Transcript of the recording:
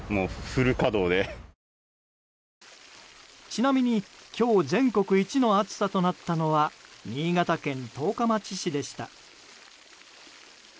ちなみに今日全国一の暑さとなったのは新潟県十日町市でした。